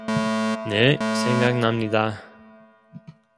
"네. 생각납니다.